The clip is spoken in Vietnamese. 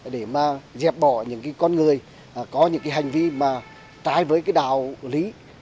để mà dẹp bỏ những cái con người có những cái hành vi mà trái với cái đạo lý